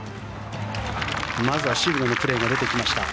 まずは渋野のプレーが出てきました。